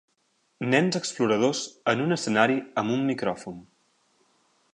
Nens exploradors en un escenari amb un micròfon.